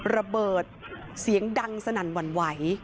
ระเบิดเสียงดังสนั่นหวั่นไหว